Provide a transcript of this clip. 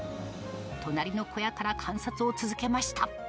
隣の小屋から観察を続けました。